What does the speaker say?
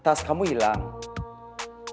oh bagi kamu kehilangan